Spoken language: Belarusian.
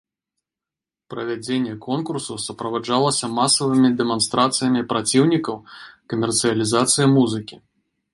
Правядзенне конкурсу суправаджалася масавымі дэманстрацыямі праціўнікаў камерцыялізацыі музыкі.